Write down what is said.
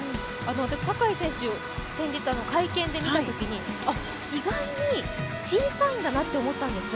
私、坂井選手、先日会見で見たときに意外に小さいんだなと思ったんです。